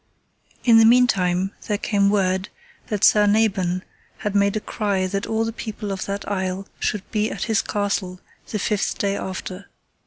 In the meantime there came word that Sir Nabon had made a cry that all the people of that isle should be at his castle the fifth day after.